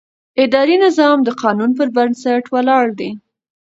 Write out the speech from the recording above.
اداري نظام د قانون پر بنسټ ولاړ دی.